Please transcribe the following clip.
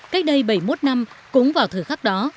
cách đây bảy mươi một năm cũng vào thời khắc đó